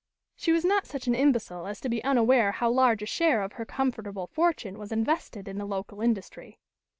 She was not such an imbecile as to be unaware how large a share of her comfortable fortune was invested in the local industry.